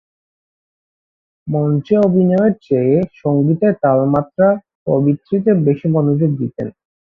মঞ্চে অভিনয়ের চেয়ে সংগীতের তাল-মাত্রা প্রভৃতিতে বেশি মনোযোগ দিতেন।